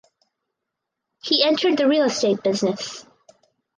He entered the real estate business.